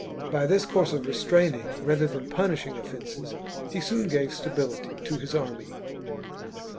By this course of restraining rather than punishing offences, he soon gave stability to his army.